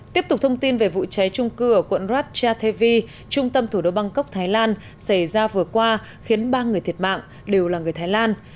tiếp tục thông tin về vụ cháy trung cư ở quận ratchatevi trung tâm thủ đô bangkok thái lan xảy ra vừa qua khiến ba người thiệt mạng đều là người thái lan